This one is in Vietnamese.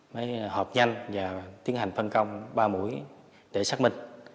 mới họp nhanh và tiến hành phân công ba mũi để xác minh